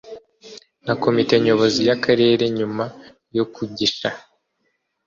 na Komite Nyobozi y Akarere nyuma yo kugisha